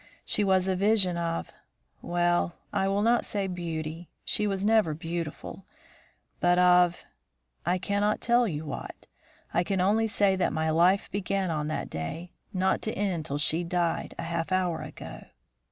She was a vision of well, I will not say beauty; she was never beautiful but of I cannot tell you what; I can only say that my life began on that day, not to end till she died, a half hour ago.